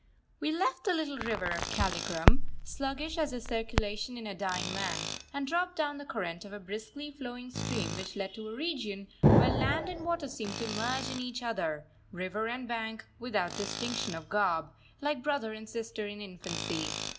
We left the little river of Kaligram, sluggish as the circulation in a dying man, and dropped down the current of a briskly flowing stream which led to a region where land and water seemed to merge in each other, river and bank without distinction of garb, like brother and sister in infancy.